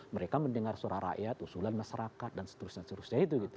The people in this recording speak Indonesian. mereka mendengar suara rakyat usulan masyarakat dan seterusnya seterusnya